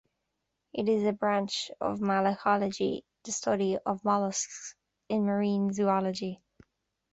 It is a branch of Malacology, the study of molluscs, in marine zoology.